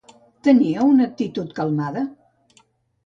Tenia una actitud calmada?